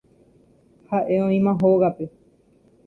Ha'e oĩma hógape